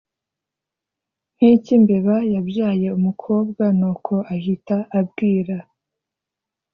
nkicyimbeba yabyaye umukobwa nuko ahita abwira